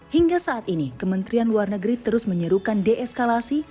hingga saat ini kementerian luar negeri terus menyerukan deeskalasi